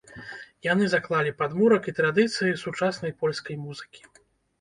Яны заклалі падмурак і традыцыі сучаснай польскай музыкі.